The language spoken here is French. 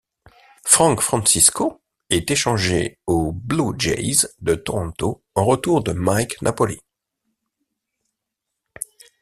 Frank Francisco est échangé aux Blue Jays de Toronto en retour de Mike Napoli.